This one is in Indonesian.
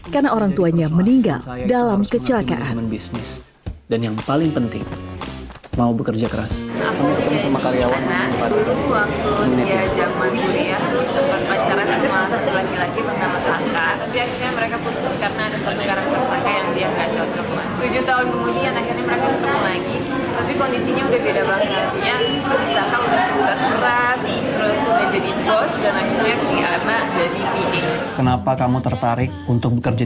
karena orang tuanya meninggal dalam kecelakaan